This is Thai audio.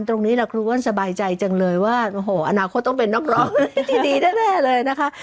ตรงนี้แหละครูอ้วนสบายใจจังเลยว่าโอ้โหอนาคตต้องเป็นนักร้องที่ดีแน่เลยนะคะ